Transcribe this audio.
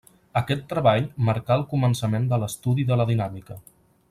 Aquest treball marcà el començament de l'estudi de la dinàmica.